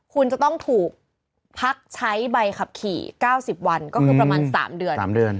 คุณจะต้องถูกพักใช้ใบขับขี่๙๐วันก็คือประมาณ๓เดือน๓เดือน